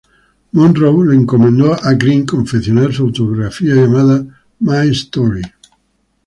Monroe le encomendó a Greene confeccionar su autobiografía, llamada "My Story".